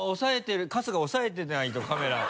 春日押さえてないとカメラを。